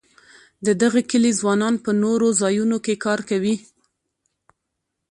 د دغه کلي ځوانان په نورو ځایونو کې کار کوي.